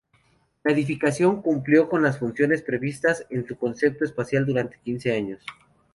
La edificación cumplió con las funciones previstas en su concepto espacial, durante quince años.